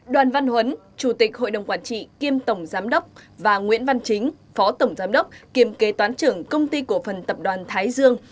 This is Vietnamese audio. đoàn văn huấn chủ tịch hội đồng quản trị kiêm tổng giám đốc và nguyễn văn chính phó tổng giám đốc kiêm kế toán trưởng công ty cổ phần tập đoàn thái dương